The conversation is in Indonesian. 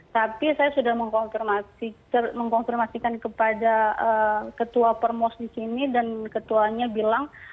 tapi saya sudah mengkonfirmasikan kepada ketua permos di sini dan ketuanya bilang